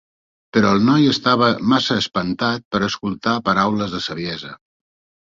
Però el noi estava massa espantat per escoltar paraules de saviesa.